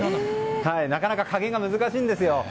なかなか加減が難しいんですよ。